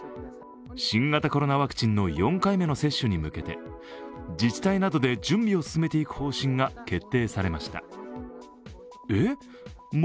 新型コロナワクチンの４回目の接種に向けて自治体などで準備を進めていく方針が決定されました。